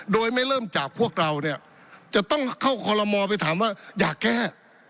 โดยไม่เริ่มจากพวกเราเนี่ยจะต้องเข้าคอลโลมอลไปถามว่าอยากแก้